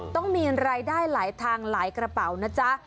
ต้องมีรายได้หลายทางหลายกระเป๋านะจ๊ะ